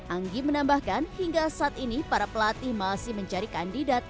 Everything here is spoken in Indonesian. anggi menambahkan hingga saat ini para pelatih masih mencari kandidat